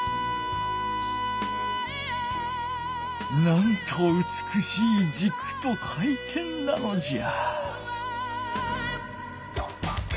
なんとうつくしいじくと回転なのじゃ。